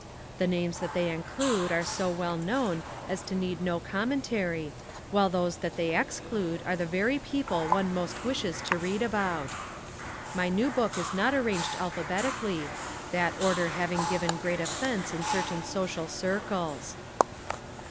The names that they include are so well known as to need no commentary, while those that they exclude are the very people one most wishes to read about. My new book is not arranged alphabetically, that order having given great offence in certain social circles.